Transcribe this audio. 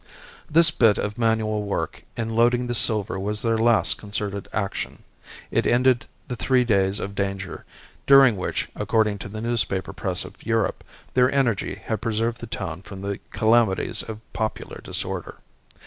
This bit of manual work in loading the silver was their last concerted action. It ended the three days of danger, during which, according to the newspaper press of Europe, their energy had preserved the town from the calamities of popular disorder.